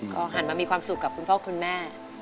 ก็หันมามีความสุขกับคุณพ่อคุณแม่